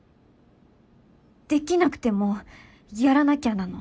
できなくてもやらなきゃなの！